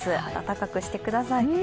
温かくしてください。